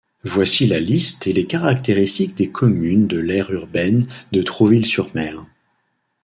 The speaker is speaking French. Voici la liste et les caractéristiques des communes de l'aire urbaine de Trouville-sur-Mer.